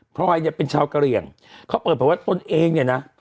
พลอยเนี่ยเป็นชาวกะเหลี่ยงเขาเปิดแบบว่าตนเองเนี่ยนะ